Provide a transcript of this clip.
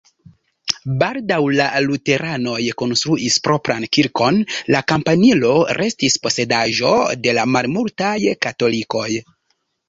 Baldaŭ la luteranoj konstruis propran kirkon, la kampanilo restis posedaĵo de la malmultaj katolikoj.